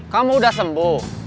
kamu udah sembuh